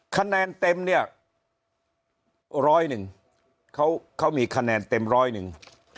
คะแนนเต็มเนี่ย๑๐๐นึงเขามีคะแนนเต็ม๑๐๐นึง